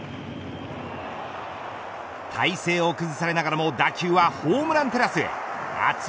体勢を崩されながらも打球はホームランテラスへ。